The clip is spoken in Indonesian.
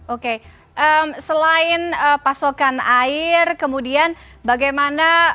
oke selain pasokan air kemudian bagaimana